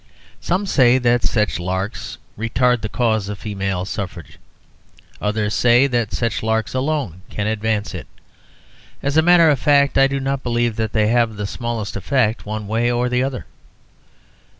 Some say that such larks retard the cause of female suffrage, others say that such larks alone can advance it; as a matter of fact, I do not believe that they have the smallest effect one way or the other.